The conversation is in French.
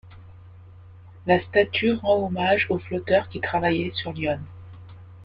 La statue rend hommage aux flotteurs qui travaillaient sur l'Yonne.